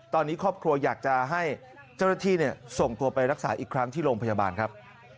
ตอนนี้ครอบครัวอยากจะให้เจ้าหน้าที่ส่งตัวไปรักษาอีกครั้งที่โรงพยาบาลครับ